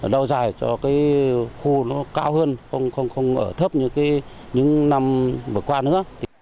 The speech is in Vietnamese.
lâu dài cho cái khu nó cao hơn không ở thấp như những năm vừa qua nữa